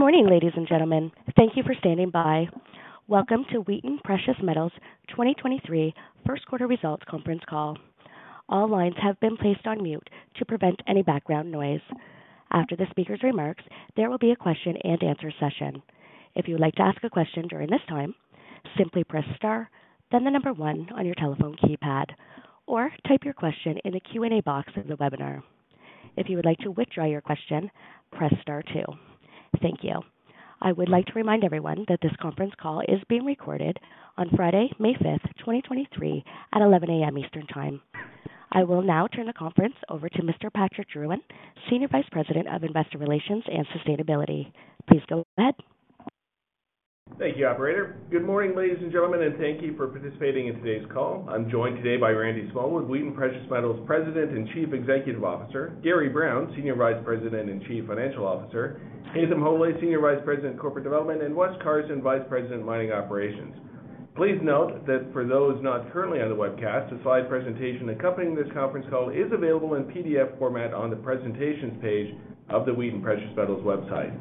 Good morning, ladies and gentlemen. Thank you for standing by. Welcome to Wheaton Precious Metals 2023 first quarter results conference call. All lines have been placed on mute to prevent any background noise. After the speaker's remarks, there will be a question-and-answer session. If you would like to ask a question during this time, simply press star then the one on your telephone keypad, or type your question in the Q&A box in the webinar. If you would like to withdraw your question, press star two. Thank you. I would like to remind everyone that this conference call is being recorded on Friday, May 5th, 2023 at 11:00 A.M. Eastern Time. I will now turn the conference over to Mr. Patrick Drouin, Senior Vice President of Investor Relations and Sustainability. Please go ahead. Thank you, operator. Good morning, ladies and gentlemen, and thank you for participating in today's call. I'm joined today by Randy Smallwood, Wheaton Precious Metals President and Chief Executive Officer, Gary Brown, Senior Vice President and Chief Financial Officer, Haytham Hodaly, Senior Vice President, Corporate Development, and Wes Carson, Vice President, Mining Operations. Please note that for those not currently on the webcast, the slide presentation accompanying this conference call is available in PDF format on the presentations page of the Wheaton Precious Metals website.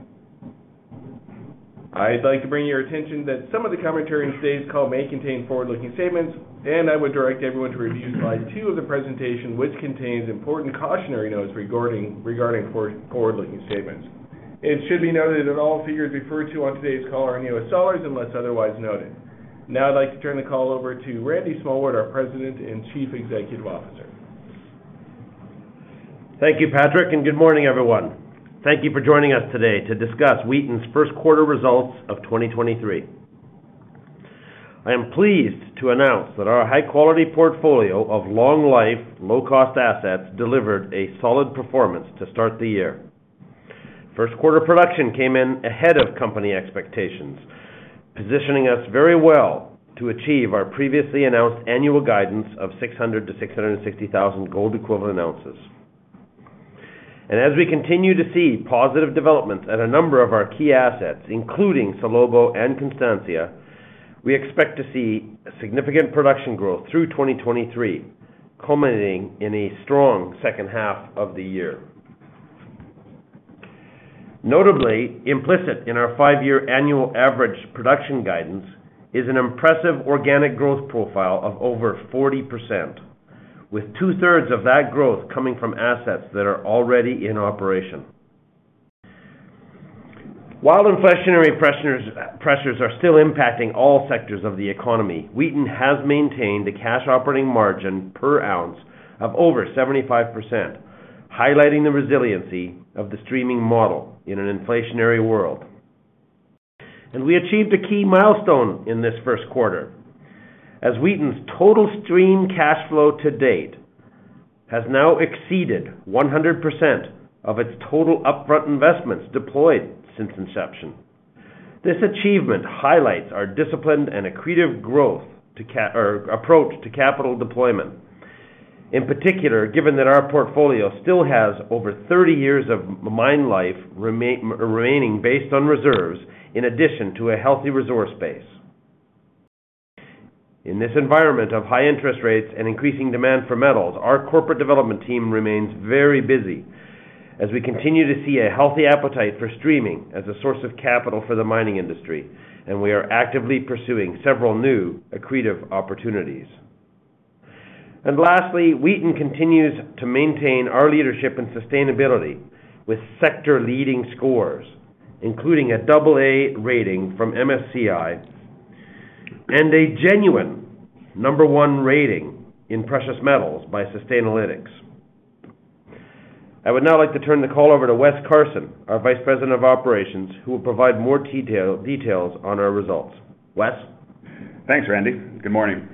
I'd like to bring your attention that some of the commentary in today's call may contain forward-looking statements, and I would direct everyone to review slide two of the presentation, which contains important cautionary notes regarding forward-looking statements. It should be noted that all figures referred to on today's call are in U.S. dollars unless otherwise noted. Now I'd like to turn the call over to Randy Smallwood, our President and Chief Executive Officer. Thank you, Patrick, and good morning, everyone. Thank you for joining us today to discuss Wheaton's first quarter results of 2023. I am pleased to announce that our high-quality portfolio of long life, low-cost assets delivered a solid performance to start the year. First quarter production came in ahead of company expectations, positioning us very well to achieve our previously announced annual guidance of 600,000-660,000 gold equivalent ounces. As we continue to see positive developments at a number of our key assets, including Salobo and Constancia, we expect to see a significant production growth through 2023, culminating in a strong second half of the year. Notably, implicit in our five-year annual average production guidance is an impressive organic growth profile of over 40%, with 2/3 of that growth coming from assets that are already in operation. While inflationary pressures are still impacting all sectors of the economy, Wheaton has maintained a cash operating margin per ounce of over 75%, highlighting the resiliency of the streaming model in an inflationary world. We achieved a key milestone in this first quarter as Wheaton's total stream cash flow to date has now exceeded 100% of its total upfront investments deployed since inception. This achievement highlights our disciplined and accretive growth or approach to capital deployment. In particular, given that our portfolio still has over 30 years of mine life remaining based on reserves in addition to a healthy resource base. In this environment of high interest rates and increasing demand for metals, our corporate development team remains very busy as we continue to see a healthy appetite for streaming as a source of capital for the mining industry, we are actively pursuing several new accretive opportunities. Lastly, Wheaton continues to maintain our leadership and sustainability with sector leading scores, including an AA rating from MSCI and a genuine number one rating in precious metals by Sustainalytics. I would now like to turn the call over to Wes Carson, our Vice President of Operations, who will provide more details on our results. Wes? Thanks, Randy. Good morning.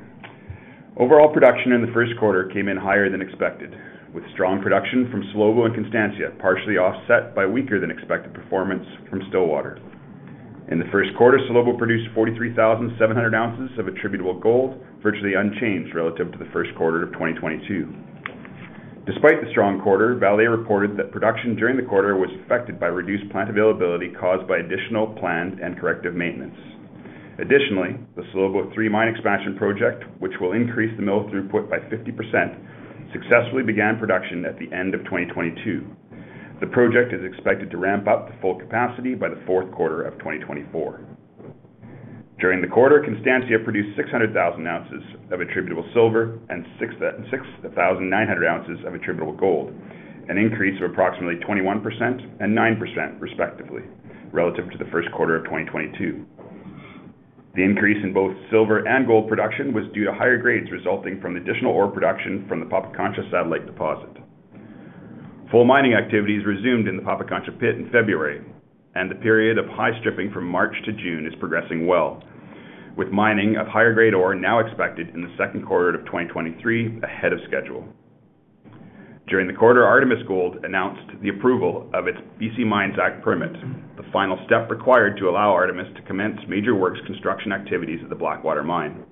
Overall production in the first quarter came in higher than expected, with strong production from Salobo and Constancia, partially offset by weaker than expected performance from Stillwater. In the first quarter, Salobo produced 43,700 ounces of attributable gold, virtually unchanged relative to the first quarter of 2022. Despite the strong quarter, Vale reported that production during the quarter was affected by reduced plant availability caused by additional planned and corrective maintenance. The Salobo III mine expansion project, which will increase the mill throughput by 50%, successfully began production at the end of 2022. The project is expected to ramp up to full capacity by the fourth quarter of 2024. During the quarter, Constancia produced 600,000 ounces of attributable silver and 6,900 ounces of attributable gold, an increase of approximately 21% and 9% respectively relative to the first quarter of 2022. The increase in both silver and gold production was due to higher grades resulting from additional ore production from the Pampascancha satellite deposit. Full mining activities resumed in the Pampascancha pit in February, and the period of high stripping from March to June is progressing well, with mining of higher grade ore now expected in the second quarter of 2023 ahead of schedule. During the quarter, Artemis Gold announced the approval of its BC Mines Act permit, the final step required to allow Artemis to commence major works construction activities at the Blackwater Mine,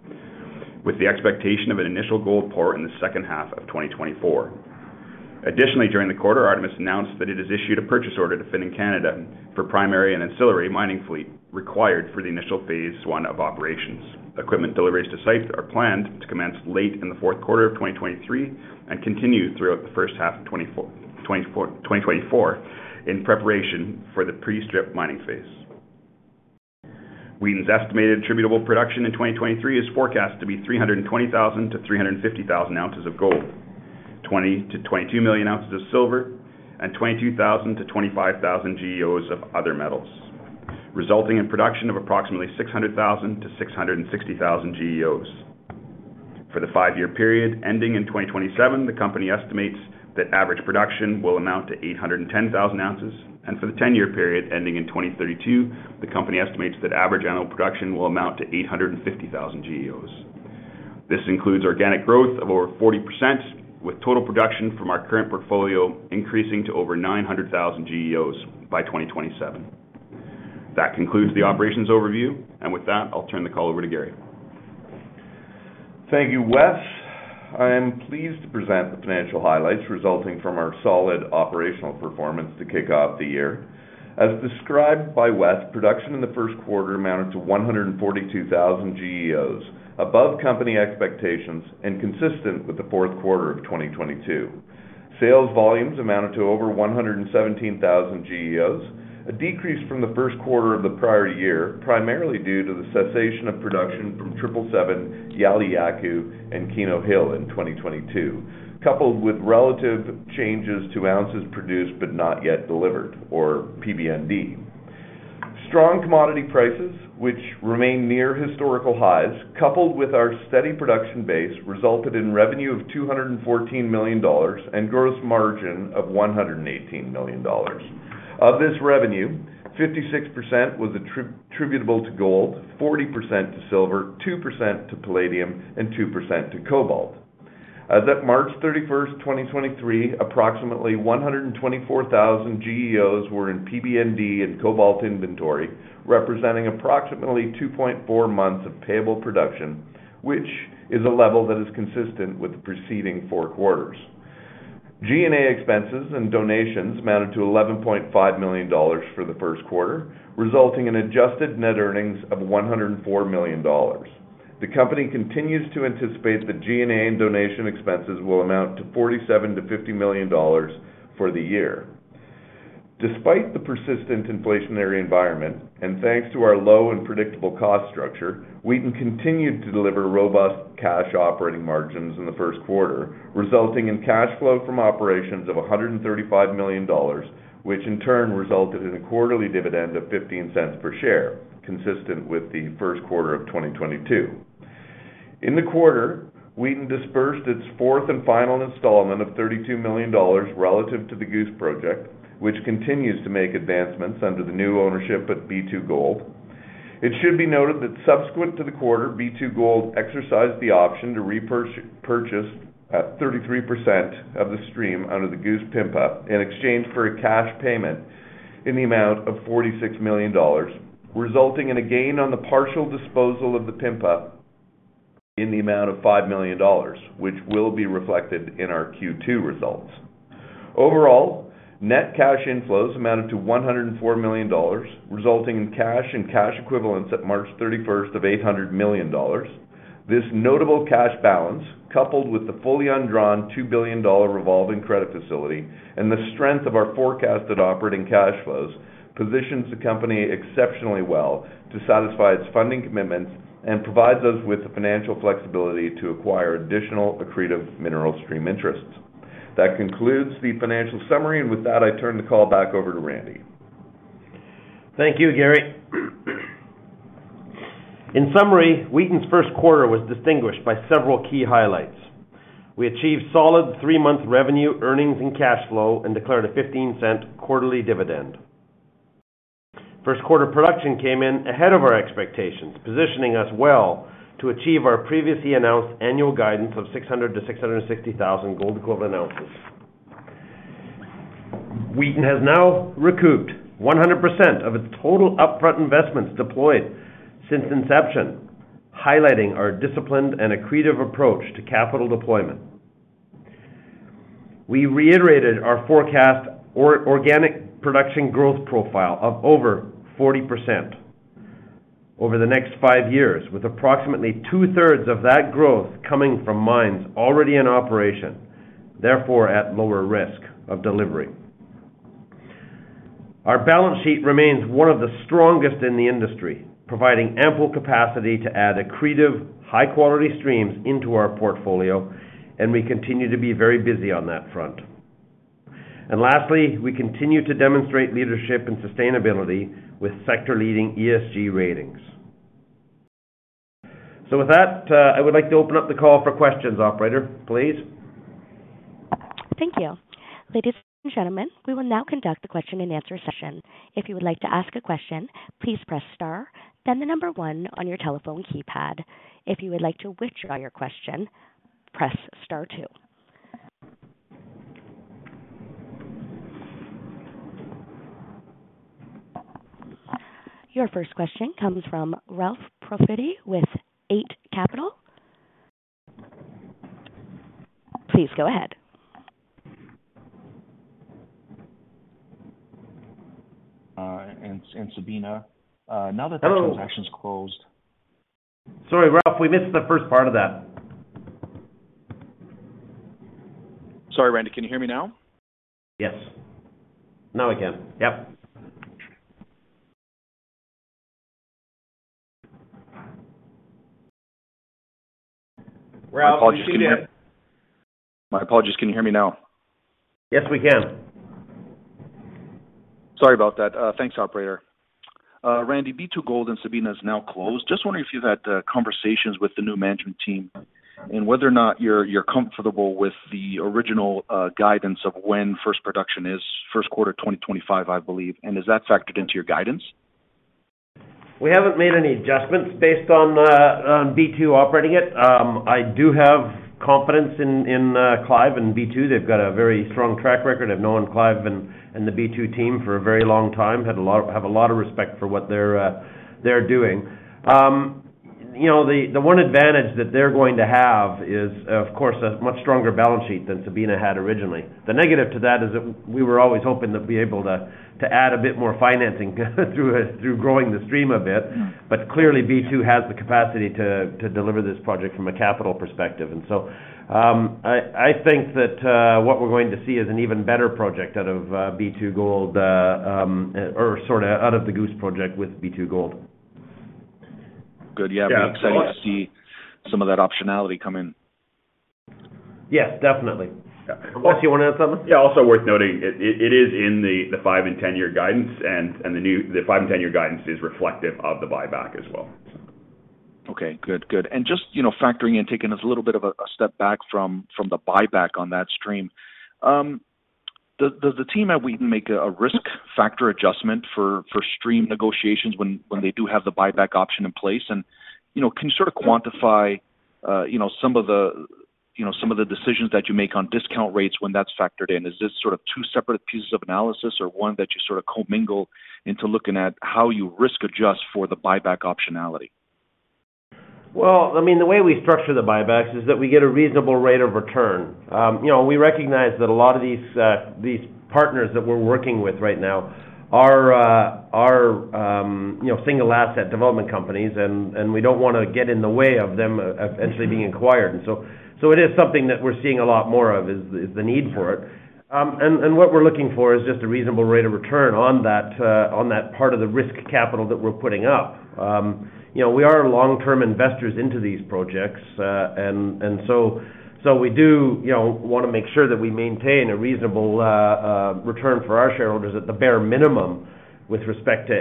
with the expectation of an initial gold pour in the second half of 2024. Additionally, during the quarter, Artemis announced that it has issued a purchase order to Finning (Canada) for primary and ancillary mining fleet required for the initial phase one of operations. Equipment deliveries to site are planned to commence late in the fourth quarter of 2023 and continue throughout the first half of 2024 in preparation for the pre-strip mining phase. Wheaton's estimated attributable production in 2023 is forecast to be 320,000-350,000 ounces of gold, 20 million-22 million ounces of silver, and 22,000-25,000 GEOs of other metals, resulting in production of approximately 600,000-660,000 GEOs. For the five-year period ending in 2027, the company estimates that average production will amount to 810,000 ounces. For the 10-year period ending in 2032, the company estimates that average annual production will amount to 850,000 GEOs. This includes organic growth of over 40%, with total production from our current portfolio increasing to over 900,000 GEOs by 2027. That concludes the operations overview. With that, I'll turn the call over to Gary. Thank you, Wes. I am pleased to present the financial highlights resulting from our solid operational performance to kick off the year. As described by Wes, production in the first quarter amounted to 142,000 GEOs, above company expectations and consistent with the fourth quarter of 2022. Sales volumes amounted to over 117,000 GEOs, a decrease from the first quarter of the prior year, primarily due to the cessation of production from Triple Seven, Yauliyacu, and Keno Hill in 2022, coupled with relative changes to ounces produced but not yet delivered or PBND. Strong commodity prices, which remain near historical highs, coupled with our steady production base, resulted in revenue of $214 million and gross margin of $118 million. Of this revenue, 56% was attributable to gold, 40% to silver, 2% to palladium, and 2% to cobalt. As of March 31st, 2023, approximately 124,000 GEOs were in PBND and cobalt inventory, representing approximately 2.4 months of payable production, which is a level that is consistent with the preceding four quarters. G&A expenses and donations amounted to $11.5 million for the first quarter, resulting in adjusted net earnings of $104 million. The company continues to anticipate that G&A and donation expenses will amount to $47 million-$50 million for the year. Despite the persistent inflationary environment, thanks to our low and predictable cost structure, Wheaton continued to deliver robust cash operating margins in the first quarter, resulting in cash flow from operations of $135 million, which in turn resulted in a quarterly dividend of $0.15 per share, consistent with the first quarter of 2022. In the quarter, Wheaton disbursed its fourth and final installment of $32 million relative to the Goose project, which continues to make advancements under the new ownership at B2Gold. It should be noted that subsequent to the quarter, B2Gold exercised the option to repurchase 33% of the stream under the Goose PIMPA in exchange for a cash payment in the amount of $46 million, resulting in a gain on the partial disposal of the PIMPA in the amount of $5 million, which will be reflected in our Q2 results. Net cash inflows amounted to $104 million, resulting in cash and cash equivalents at March 31st of $800 million. This notable cash balance, coupled with the fully undrawn $2 billion revolving credit facility and the strength of our forecasted operating cash flows, positions the company exceptionally well to satisfy its funding commitments and provides us with the financial flexibility to acquire additional accretive mineral stream interests. That concludes the financial summary, and with that, I turn the call back over to Randy. Thank you, Gary. In summary, Wheaton's first quarter was distinguished by several key highlights. We achieved solid three-month revenue, earnings, and cash flow and declared a $0.15 quarterly dividend. First quarter production came in ahead of our expectations, positioning us well to achieve our previously announced annual guidance of 600,000-660,000 gold equivalent ounces. Wheaton has now recouped 100% of its total upfront investments deployed since inception, highlighting our disciplined and accretive approach to capital deployment. We reiterated our forecast organic production growth profile of over 40% over the next five years, with approximately two-thirds of that growth coming from mines already in operation, therefore, at lower risk of delivering. Our balance sheet remains one of the strongest in the industry, providing ample capacity to add accretive high-quality streams into our portfolio. We continue to be very busy on that front. Lastly, we continue to demonstrate leadership and sustainability with sector leading ESG ratings. With that, I would like to open up the call for questions. Operator, please. Thank you. Ladies and gentlemen, we will now conduct the question and answer session. If you would like to ask a question, please press star, then the number one on your telephone keypad. If you would like to withdraw your question, press star two. Your first question comes from Ralph Profiti with Eight Capital. Please go ahead. Sabina, now that that transaction's closed. Sorry, Ralph, we missed the first part of that. Sorry, Randy, can you hear me now? Yes. Now I can. Yep. Ralph, can you see me? My apologies. Can you hear me now? Yes, we can. Sorry about that. Thanks, operator. Randy, B2Gold and Sabina is now closed. Just wondering if you've had conversations with the new management team and whether or not you're comfortable with the original guidance of when first production is. First quarter, 2025, I believe. Is that factored into your guidance? We haven't made any adjustments based on B2 operating it. I do have confidence in Clive and B2. They've got a very strong track record. I've known Clive and the B2 team for a very long time. have a lot of respect for what they're doing. You know, the one advantage that they're going to have is, of course, a much stronger balance sheet than Sabina had originally. The negative to that is that we were always hoping to be able to add a bit more financing through growing the stream a bit. Clearly, B2 has the capacity to deliver this project from a capital perspective. I think that what we're going to see is an even better project out of B2Gold or sort of out of the Goose project with B2Gold. Good. Yeah. Yeah. We're excited to see some of that optionality come in. Yes, definitely. Yeah. Wes, you wanna add something? Yeah. Also worth noting, it is in the five and 10-year guidance and the five and 10-year guidance is reflective of the buyback as well. Okay, good. Just, you know, factoring and taking us a little bit of a step back from the buyback on that stream. Does the team at Wheaton make a risk factor adjustment for stream negotiations when they do have the buyback option in place? You know, can you sort of quantify, you know, some of the decisions that you make on discount rates when that's factored in? Is this sort of two separate pieces of analysis or one that you sort of co-mingle into looking at how you risk adjust for the buyback optionality? Well, I mean, the way we structure the buybacks is that we get a reasonable rate of return. You know, we recognize that a lot of these partners that we're working with right now are, you know, single asset development companies, and we don't wanna get in the way of them eventually being acquired. It is something that we're seeing a lot more of is the need for it. What we're looking for is just a reasonable rate of return on that part of the risk capital that we're putting up. You know, we are long-term investors into these projects. We do, you know, wanna make sure that we maintain a reasonable return for our shareholders at the bare minimum with respect to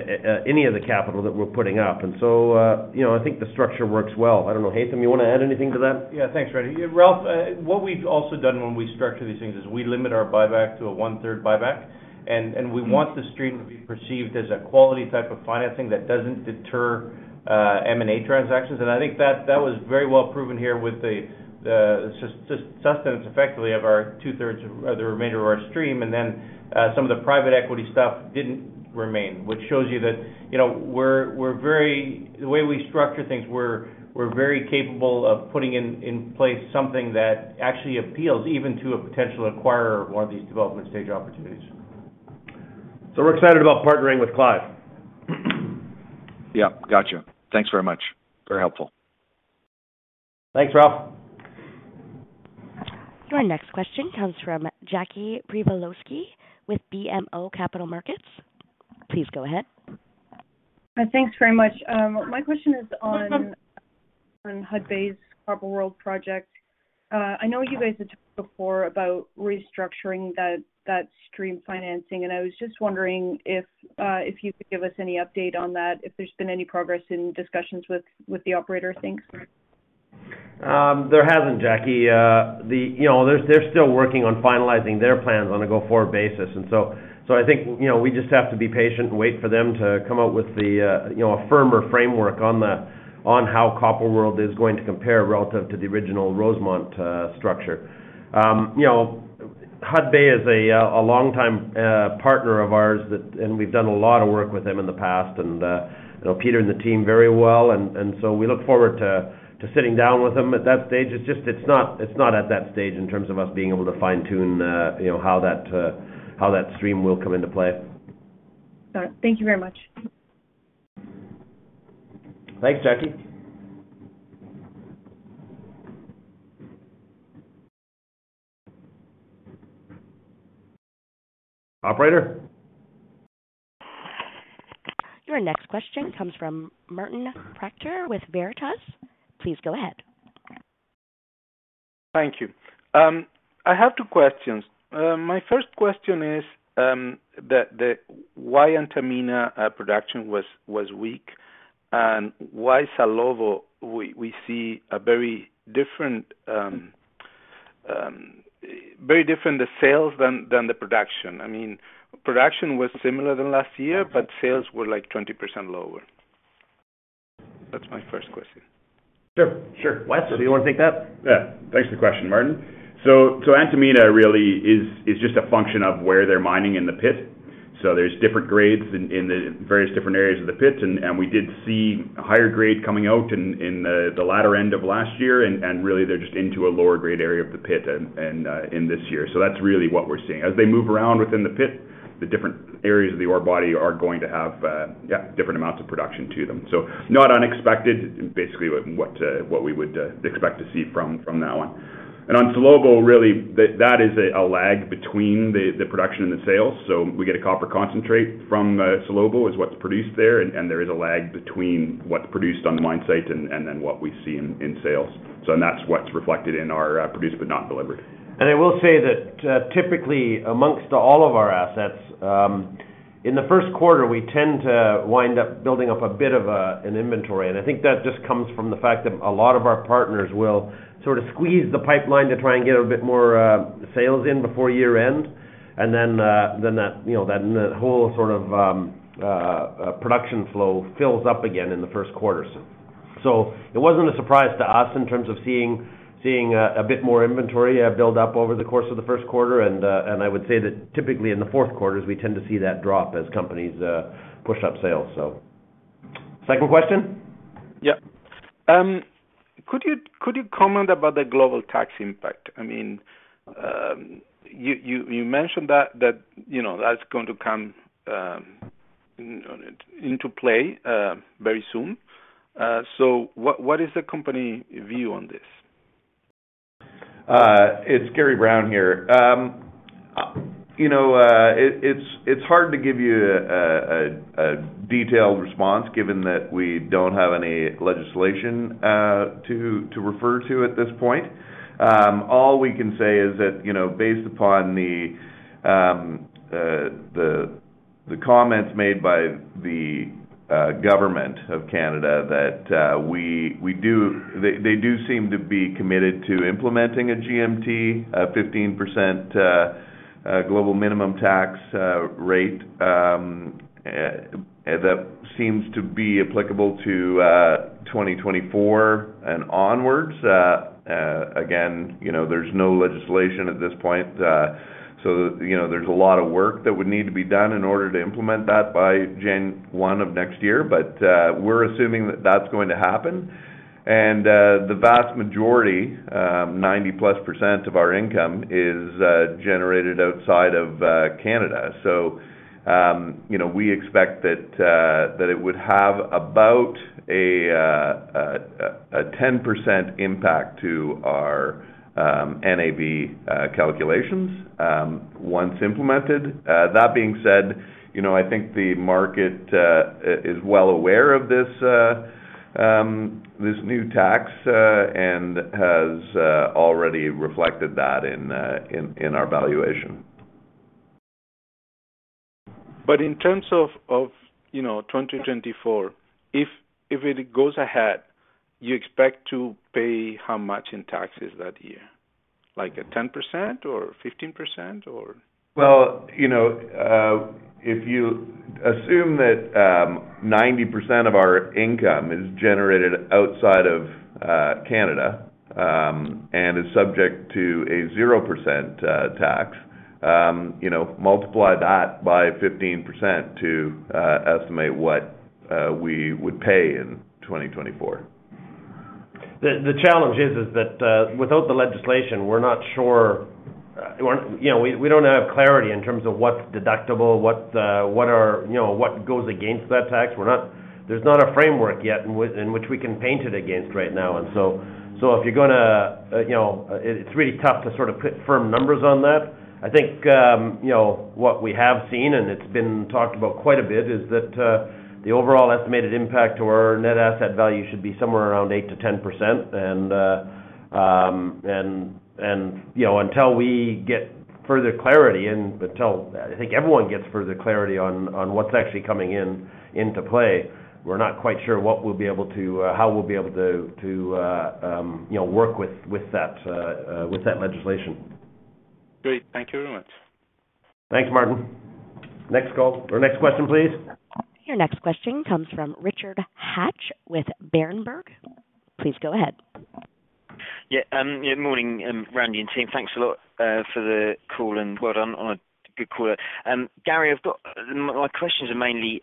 any of the capital that we're putting up. You know, I think the structure works well. I don't know. Haytham, you wanna add anything to that? Yeah, thanks, Randy. Ralph, what we've also done when we structure these things is we limit our buyback to a one-third buyback. We want the stream to be perceived as a quality type of financing that doesn't deter M&A transactions. I think that was very well proven here with the sustenance effectively of our two-thirds of the remainder of our stream. Some of the private equity stuff didn't remain, which shows you that, you know, we're very. The way we structure things, we're very capable of putting in place something that actually appeals even to a potential acquirer of one of these development stage opportunities. We're excited about partnering with Clive. Yep. Gotcha. Thanks very much. Very helpful. Thanks, Ralph. Your next question comes from Jackie Przybylowski with BMO Capital Markets. Please go ahead. Thanks very much. My question is on Hudbay's Copper World project. I know you guys had talked before about restructuring that stream financing, I was just wondering if you could give us any update on that, if there's been any progress in discussions with the operator. Thanks. There hasn't, Jackie. The, you know, they're still working on finalizing their plans on a go-forward basis. So I think, you know, we just have to be patient and wait for them to come out with the, you know, a firmer framework on how Copper World is going to compare relative to the original Rosemont structure. You know, Hudbay is a longtime partner of ours that, and we've done a lot of work with them in the past. Know Peter and the team very well, and so we look forward to sitting down with them at that stage. It's just, it's not at that stage in terms of us being able to fine-tune, you know, how that stream will come into play. All right. Thank you very much. Thanks, Jackie. Operator? Your next question comes from Martin Pradier with Veritas. Please go ahead. Thank you. I have two questions. My first question is, why Antamina production was weak, and why Salobo we see a very different the sales than the production. I mean, production was similar than last year, but sales were, like, 20% lower. That's my first question. Sure, sure. Wes, do you wanna take that? Yeah. Thanks for the question, Martin. Antamina really is just a function of where they're mining in the pit. There's different grades in the various different areas of the pits. We did see a higher grade coming out in the latter end of last year. Really they're just into a lower grade area of the pit in this year. That's really what we're seeing. As they move around within the pit, the different areas of the ore body are going to have different amounts of production to them. Not unexpected, basically, what we would expect to see from now on. On Salobo, really, that is a lag between the production and the sales. We get a copper concentrate from Salobo, is what's produced there, and there is a lag between what's produced on the mine site and then what we see in sales. That's what's reflected in our Produced But Not Delivered. I will say that, typically amongst all of our assets, in the first quarter, we tend to wind up building up a bit of an inventory. I think that just comes from the fact that a lot of our partners will sort of squeeze the pipeline to try and get a bit more sales in before year-end. That, you know, that whole sort of production flow fills up again in the first quarter. It wasn't a surprise to us in terms of seeing a bit more inventory build up over the course of the first quarter. I would say that typically in the fourth quarters, we tend to see that drop as companies push up sales, so. Second question? Yeah. Could you comment about the global tax impact? I mean, you mentioned that, you know, that's going to come into play very soon. What is the company view on this? It's Gary Brown here. You know, it's hard to give you a detailed response given that we don't have any legislation to refer to at this point. All we can say is that, you know, based upon the comments made by the government of Canada that they do seem to be committed to implementing a GMT, a 15% global minimum tax rate that seems to be applicable to 2024 and onwards. Again, you know, there's no legislation at this point. You know, there's a lot of work that would need to be done in order to implement that by January 1 of next year. We're assuming that that's going to happen. The vast majority, 90+% of our income is generated outside of Canada. You know, we expect that it would have about a 10% impact to our NAV calculations once implemented. That being said, you know, I think the market is well aware of this new tax and has already reflected that in our valuation. In terms of, you know, 2024, if it goes ahead, you expect to pay how much in taxes that year? Like a 10% or 15%, or? You know, if you assume that, 90% of our income is generated outside of Canada, and is subject to a 0% tax, you know, multiply that by 15% to estimate what we would pay in 2024. The challenge is that, without the legislation, we're not sure, you know, we don't have clarity in terms of what's deductible, what are, you know, what goes against that tax. There's not a framework yet in which we can paint it against right now. If you're gonna, you know, it's really tough to sort of put firm numbers on that. I think, you know, what we have seen, and it's been talked about quite a bit, is that the overall estimated impact to our net asset value should be somewhere around 8%-10%. You know, until we get further clarity and until, I think, everyone gets further clarity on what's actually coming into play, we're not quite sure what we'll be able to, how we'll be able to, you know, work with that legislation. Great. Thank you very much. Thanks, Martin. Next call or next question, please. Your next question comes from Richard Hatch with Berenberg. Please go ahead. Yeah. Morning, Randy and team. Thanks a lot for the call, and well done on a good quarter. Gary, my questions are mainly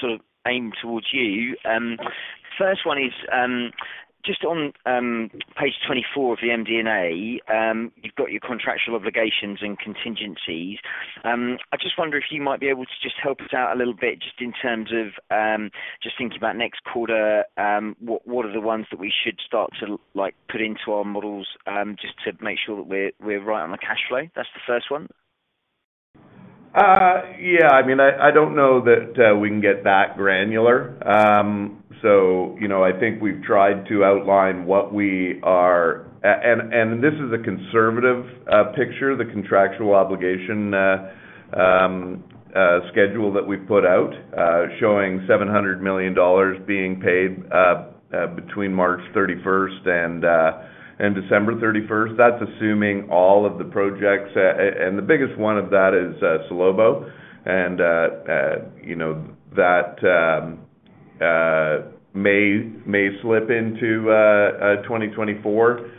sort of aimed towards you. First one is just on page 24 of the MD&A, you've got your contractual obligations and contingencies. I just wonder if you might be able to just help us out a little bit just in terms of just thinking about next quarter. What are the ones that we should start to like, put into our models, just to make sure that we're right on the cash flow? That's the first one. Yeah, I mean, I don't know that we can get that granular. You know, I think we've tried to outline what we are and this is a conservative picture, the contractual obligation schedule that we've put out showing $700 million being paid between March 31st and December 31st. That's assuming all of the projects. The biggest one of that is Salobo, and you know, that may slip into 2024.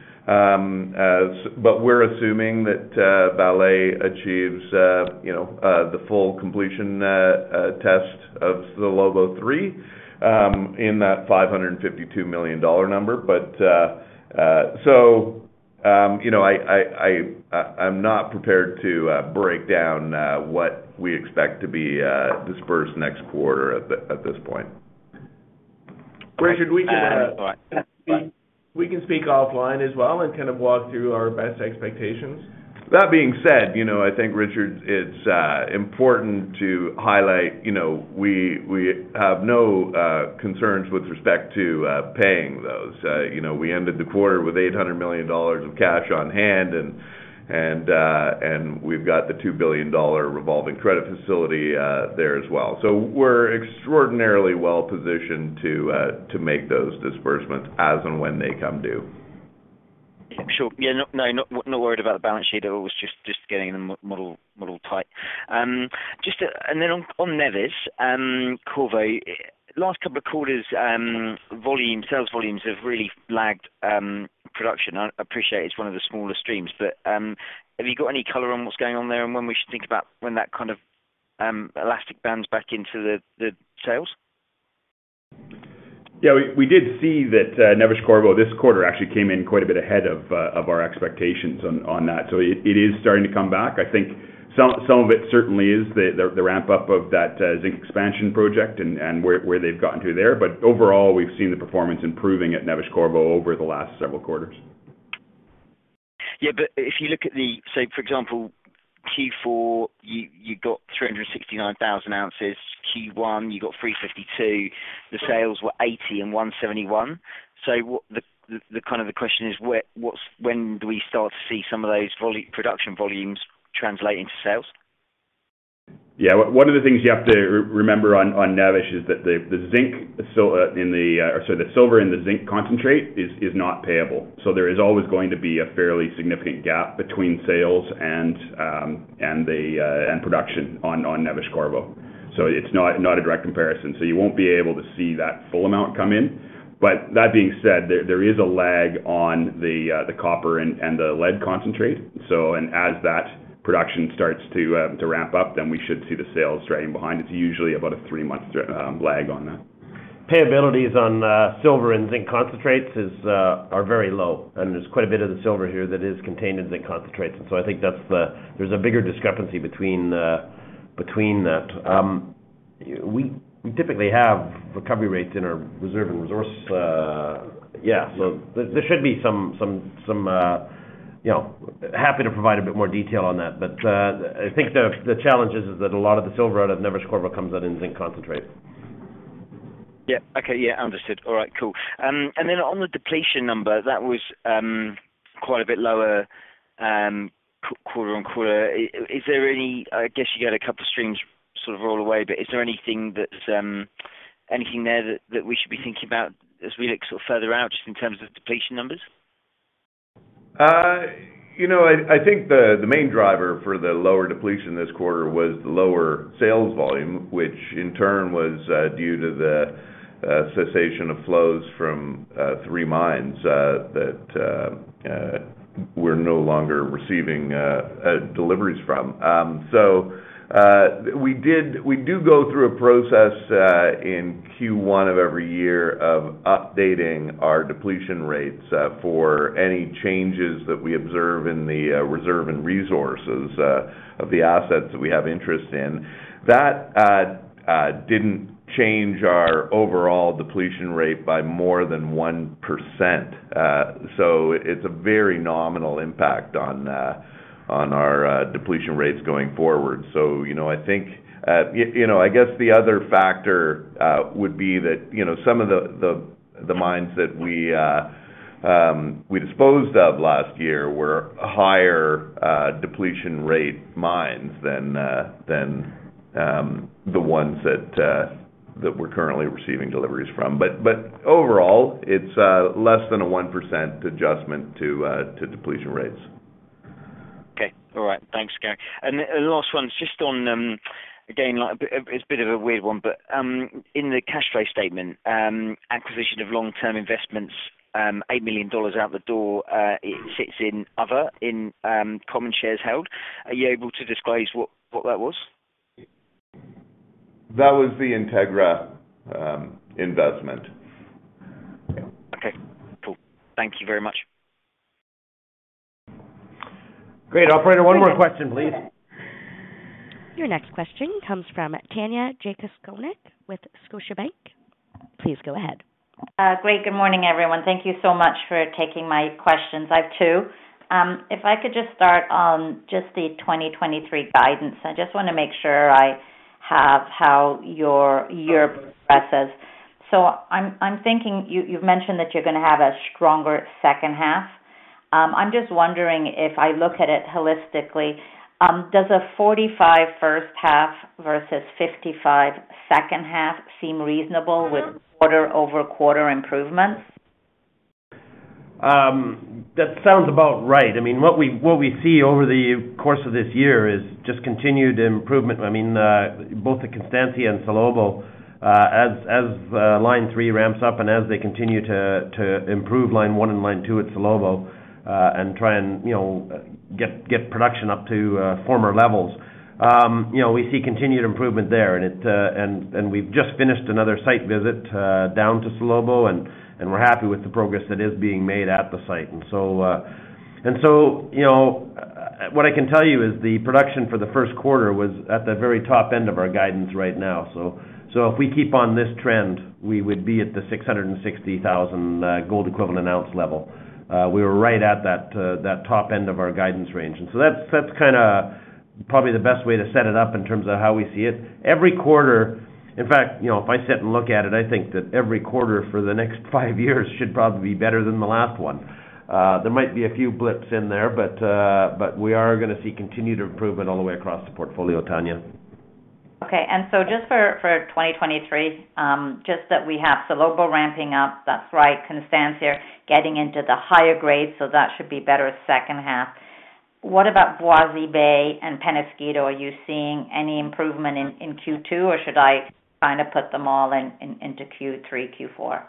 We're assuming that Vale achieves, you know, the full completion test of the Salobo III in that $552 million number. You know, I'm not prepared to break down what we expect to be dispersed next quarter at this point. Richard, we can speak offline as well and kind of walk through our best expectations. That being said, you know, I think Richard, it's important to highlight, you know, we have no concerns with respect to paying those. You know, we ended the quarter with $800 million of cash on hand and we've got the $2 billion revolving credit facility there as well. We're extraordinarily well positioned to make those disbursements as and when they come due. Sure. Yeah. No, no, not worried about the balance sheet at all. Was just getting the model tight. Just on Neves-Corvo, last couple of quarters, volume, sales volumes have really lagged production. I appreciate it's one of the smaller streams, but have you got any color on what's going on there and when we should think about when that kind of elastic bands back into the sales? Yeah, we did see that Neves-Corvo this quarter actually came in quite a bit ahead of our expectations on that. It is starting to come back. I think some of it certainly is the ramp-up of that zinc expansion project and where they've gotten to there. Overall, we've seen the performance improving at Neves-Corvo over the last several quarters. Yeah. If you look at the Q4, you got 369,000 ounces. Q1, you got 352. The sales were 80 and 171. What the kind of the question is when do we start to see some of those production volumes translate into sales? One of the things you have to remember on Neves is that the zinc, or sorry, the silver and the zinc concentrate is not payable. There is always going to be a fairly significant gap between sales and production on Neves-Corvo. It's not a direct comparison. You won't be able to see that full amount come in. That being said, there is a lag on the copper and the lead concentrate. As that production starts to ramp up, we should see the sales trailing behind. It's usually about a three-month lag on that. Payabilities on silver and zinc concentrates is are very low, and there's quite a bit of the silver here that is contained in zinc concentrates. I think that's there's a bigger discrepancy between between that. We typically have recovery rates in our reserve and resource. Yeah. There should be some, you know. Happy to provide a bit more detail on that, I think the challenge is that a lot of the silver out of Neves-Corvo comes out in zinc concentrate. Yeah. Okay. Yeah, understood. All right. Cool. On the depletion number, that was quite a bit lower, quarter-on-quarter. Is there any... I guess you had a couple streams sort of roll away, but is there anything that's anything there that we should be thinking about as we look sort of further out just in terms of depletion numbers? You know, I think the main driver for the lower depletion this quarter was the lower sales volume, which in turn was due to the cessation of flows from three mines that we're no longer receiving deliveries from. We do go through a process in Q1 of every year of updating our depletion rates for any changes that we observe in the reserve and resources of the assets that we have interest in. That didn't change our overall depletion rate by more than 1%. It's a very nominal impact on our depletion rates going forward. You know, I think, you know, I guess the other factor would be that, you know, some of the mines that we disposed of last year were higher, depletion rate mines than the ones that we're currently receiving deliveries from. Overall, it's less than a 1% adjustment to depletion rates. Okay. All right. Thanks, Gary. The last one, just on, again, like it's a bit of a weird one, but, in the cash flow statement, acquisition of long-term investments, $8 million out the door, it sits in other, in, common shares held. Are you able to disclose what that was? That was the Integra investment. Yeah. Okay. Cool. Thank you very much. Great. Operator, 1 more question, please. Your next question comes from Tanya Jakusconek with Scotiabank. Please go ahead. Great. Good morning, everyone. Thank you so much for taking my questions. I have two. If I could just start on just the 2023 guidance. I just wanna make sure I have how your year progresses. I'm thinking you've mentioned that you're gonna have a stronger second half. I'm just wondering if I look at it holistically, does a 45 first half versus 55 second half seem reasonable with quarter-over-quarter improvements? That sounds about right. I mean, what we see over the course of this year is just continued improvement. I mean, both the Constancia and Salobo, as line three ramps up and as they continue to improve line one and line two at Salobo, and try and, you know, get production up to former levels. You know, we see continued improvement there, and we've just finished another site visit down to Salobo, and we're happy with the progress that is being made at the site. You know, what I can tell you is the production for the first quarter was at the very top end of our guidance right now. If we keep on this trend, we would be at the 660,000 gold equivalent ounce level. We were right at that top end of our guidance range. That's kinda probably the best way to set it up in terms of how we see it. Every quarter. In fact, you know, if I sit and look at it, I think that every quarter for the next five years should probably be better than the last one. There might be a few blips in there, but we are gonna see continued improvement all the way across the portfolio, Tanya. Okay. Just for 2023, just that we have Salobo ramping up, that's right, Constancia getting into the higher grades, so that should be better second half. What about Voisey's Bay and Peñasquito? Are you seeing any improvement in Q2, or should I kind of put them all into Q3, Q4?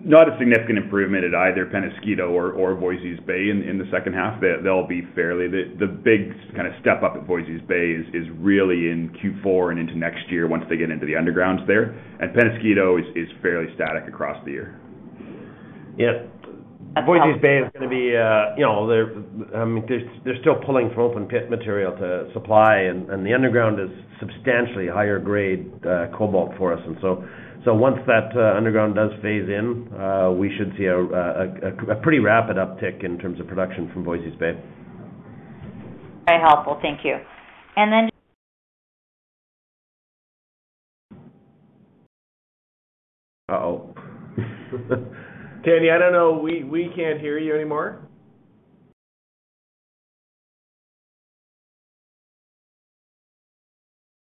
Not a significant improvement at either Peñasquito or Voisey's Bay in the second half. They'll be fairly. The big kind of step up at Voisey's Bay is really in Q4 and into next year once they get into the undergrounds there. Peñasquito is fairly static across the year. Yeah. Voisey's Bay is gonna be, you know, they're still pulling from open pit material to supply, and the underground is substantially higher grade cobalt for us. Once that underground does phase in, we should see a pretty rapid uptick in terms of production from Voisey's Bay. Very helpful. Thank you. Uh-oh. Tanya, I don't know, we can't hear you anymore.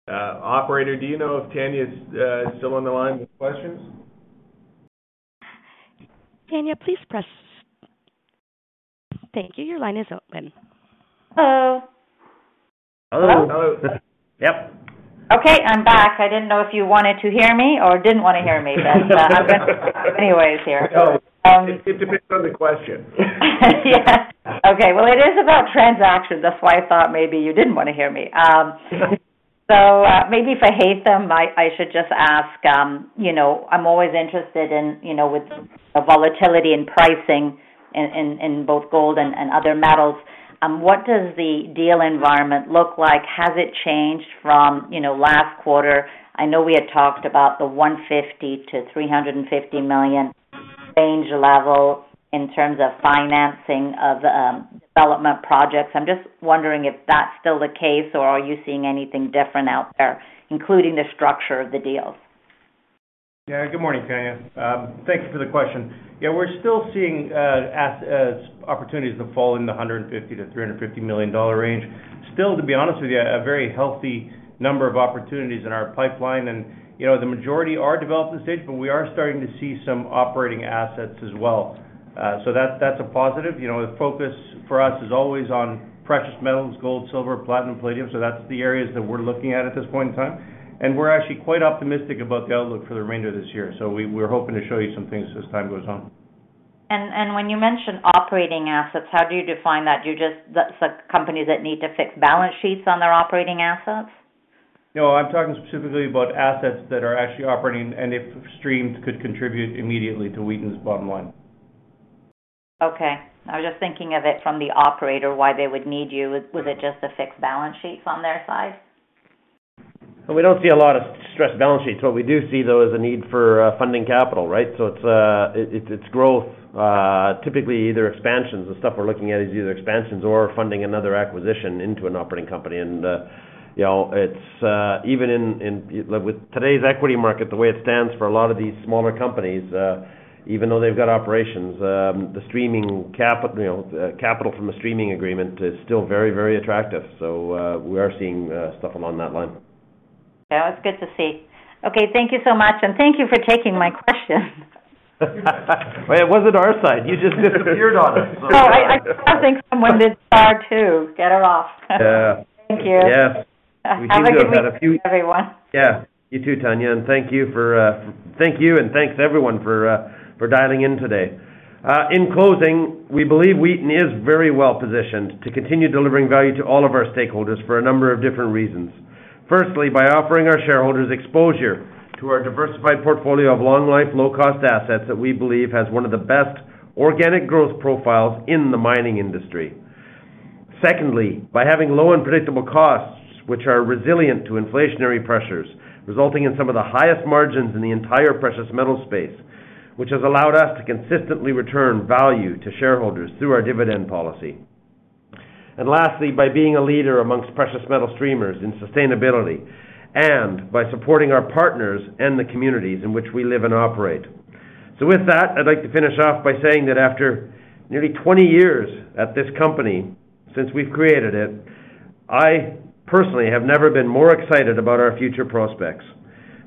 Operator, do you know if Tanya's still on the line with questions? Tanya, please press... Thank you. Your line is open. Hello? Hello. Hello. Yep. Okay, I'm back. I didn't know if you wanted to hear me or didn't wanna hear me, but I'm anyways here. It depends on the question. Okay. Well, it is about transactions. That's why I thought maybe you didn't wanna hear me. Maybe if I Haytham, I should just ask, you know, I'm always interested in, you know, with the volatility in pricing in both gold and other metals, what does the deal environment look like? Has it changed from, you know, last quarter? I know we had talked about the $150 million-$350 million range level in terms of financing of development projects. I'm just wondering if that's still the case, or are you seeing anything different out there, including the structure of the deals? Good morning, Tanya. Thanks for the question. We're still seeing opportunities that fall in the $150 million-$350 million range. Still, to be honest with you, a very healthy number of opportunities in our pipeline and, you know, the majority are development stage, but we are starting to see some operating assets as well. That's a positive. You know, the focus for us is always on precious metals, gold, silver, platinum, palladium, so that's the areas that we're looking at at this point in time. We're actually quite optimistic about the outlook for the remainder of this year. We're hoping to show you some things as time goes on. When you mention operating assets, how do you define that? That's like companies that need to fix balance sheets on their operating assets? No, I'm talking specifically about assets that are actually operating and if streams could contribute immediately to Wheaton's bottom line. Okay. I was just thinking of it from the operator, why they would need you. Was it just to fix balance sheets on their side? We don't see a lot of stressed balance sheets. What we do see, though, is a need for funding capital, right? It's growth, typically either expansions. The stuff we're looking at is either expansions or funding another acquisition into an operating company. You know, it's even With today's equity market, the way it stands for a lot of these smaller companies, even though they've got operations, the streaming capital, you know, capital from the streaming agreement is still very, very attractive. We are seeing stuff along that line. Yeah. It's good to see. Okay, thank you so much, and thank you for taking my question. It wasn't our side. You just disappeared. You disappeared on us. Oh, I still think someone did start to get her off. Yeah. Thank you. Yes. Have a good week, everyone. Yeah. You too, Tanya, thank you and thanks everyone for dialing in today. In closing, we believe Wheaton is very well-positioned to continue delivering value to all of our stakeholders for a number of different reasons. Firstly, by offering our shareholders exposure to our diversified portfolio of long life, low cost assets that we believe has one of the best organic growth profiles in the mining industry. Secondly, by having low unpredictable costs, which are resilient to inflationary pressures, resulting in some of the highest margins in the entire precious metal space, which has allowed us to consistently return value to shareholders through our dividend policy. Lastly, by being a leader amongst precious metal streamers in sustainability, and by supporting our partners and the communities in which we live and operate. With that, I'd like to finish off by saying that after nearly 20 years at this company, since we've created it, I personally have never been more excited about our future prospects.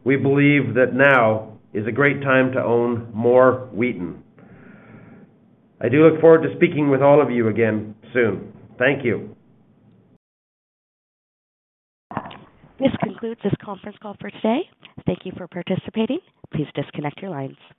We believe that now is a great time to own more Wheaton. I do look forward to speaking with all of you again soon. Thank you. This concludes this conference call for today. Thank Thank you for participating. Please disconnect your lines.